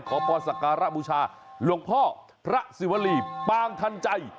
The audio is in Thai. ขอพรสักการะบูชาหลวงพ่อพระศิวรีปางทันใจ